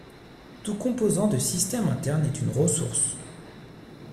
Tout composant de système interne est une ressource.